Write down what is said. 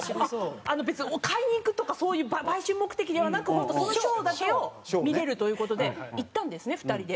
別に買いに行くとかそういう売春目的ではなく本当そのショーだけを見れるという事で行ったんですね２人で。